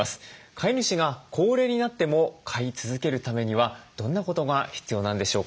飼い主が高齢になっても飼い続けるためにはどんなことが必要なんでしょうか。